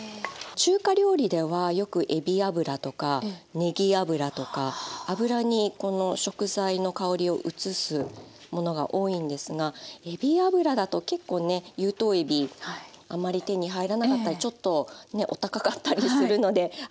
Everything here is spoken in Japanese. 中華料理ではよくえび油とかねぎ油とか油にこの食材の香りを移すものが多いんですがえび油だと結構ね有頭えびあまり手に入らなかったりちょっとねお高かったりするのであ